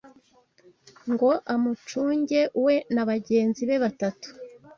ngo amucunge we na bagenzi be batatu